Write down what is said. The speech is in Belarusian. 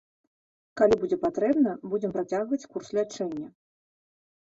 Калі будзе патрэбна, будзем працягваць курс лячэння.